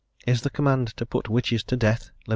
Is the command to put Witches to death (Lev.